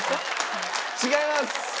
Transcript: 違います。